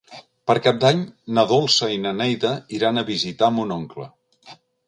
Per Cap d'Any na Dolça i na Neida iran a visitar mon oncle.